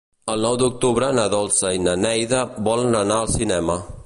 El nou d'octubre na Dolça i na Neida volen anar al cinema.